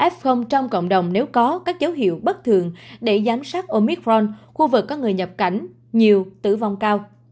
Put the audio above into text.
f trong cộng đồng nếu có các dấu hiệu bất thường để giám sát omitron khu vực có người nhập cảnh nhiều tử vong cao